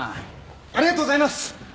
ありがとうございます！